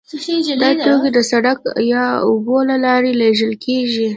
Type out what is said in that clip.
دا توکي د سړک یا اوبو له لارې لیږل کیږي